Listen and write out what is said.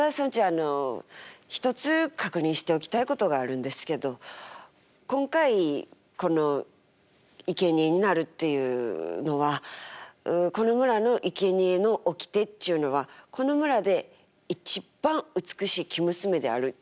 あの１つ確認しておきたいことがあるんですけど今回このいけにえになるっていうのはこの村のいけにえの掟っちゅうのはこの村で一番美しい生娘であるっちゅうことですよね。